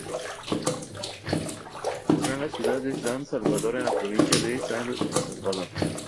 Ocurrió en la ciudad de San Salvador en la Provincia de San Salvador.